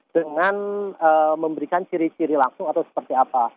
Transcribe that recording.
dengan memberikan ciri ciri langsung atau seperti apa